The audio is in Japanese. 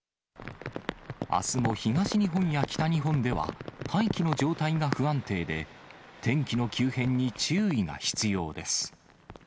あすも東日本や北日本では大気の状態が不安定で、天気の急変に注意が必要です。